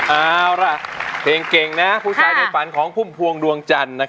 เอาล่ะเพลงเก่งนะผู้ชายในฝันของพุ่มพวงดวงจันทร์